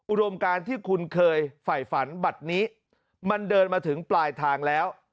อุดมการที่คุณเคยไฝฝันบัตรนี้มันเดินมาถึงปลายทางแล้ว